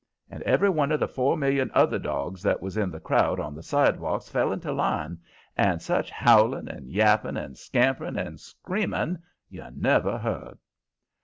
And every one of the four million other dogs that was in the crowd on the sidewalks fell into line, and such howling and yapping and scampering and screaming you never heard.